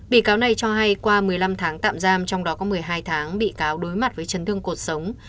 bị cáo này cho hay qua một mươi năm tháng tạm giam trong đó có một mươi hai tháng bị cáo đối mặt với chấn thương cuộc sống